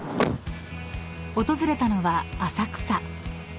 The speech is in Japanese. ［訪れたのは浅草］